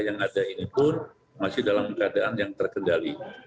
yang ada ini pun masih dalam keadaan yang terkendali